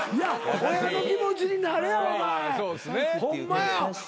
親の気持ちになれお前ホンマや。